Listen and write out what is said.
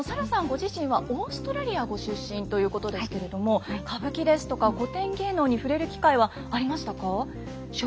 ご自身はオーストラリアご出身ということですけれども歌舞伎ですとか古典芸能に触れる機会はありましたか？